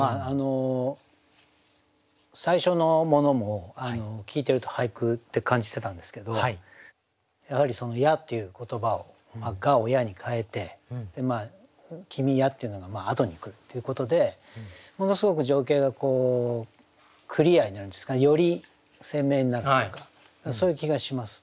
最初のものも聞いてると俳句って感じしてたんですけどやはり「や」っていう言葉を「が」を「や」に変えて「君や」っていうのが後に来るっていうことでものすごく情景がクリアになるんですかねより鮮明になるというかそういう気がします。